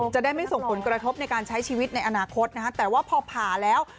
จะได้ไม่ส่งผลกระทบในการใช้ชีวิตในอนาคตนะฮะแต่ว่าพอผ่าแล้ว